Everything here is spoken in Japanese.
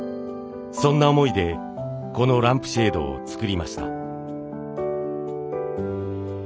そんな思いでこのランプシェードを作りました。